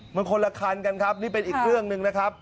มันคนละคันกันครับนี่เป็นอีกเรื่องหนึ่งนะครับ